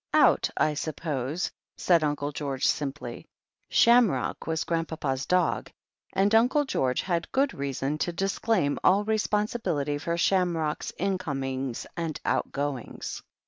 "Out, I suppose," said Uncle George simply. Sham rock was Grandpapa's dog, and Uncle George had good reason to disclaim all responsibility for Sham rock's in comings and out goings.